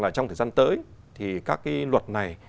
là trong thời gian tới thì các cái luật này